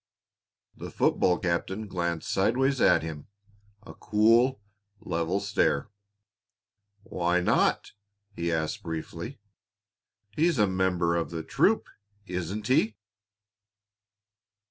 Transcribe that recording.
The football captain glanced sidewise at him a cool, level stare. "Why not?" he asked briefly. "He's a member of the troop, isn't he?"